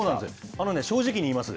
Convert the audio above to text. あのね、正直に言います。